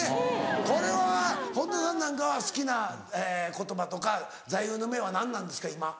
これは本田さんなんかは好きな言葉とか座右の銘は何なんですか今。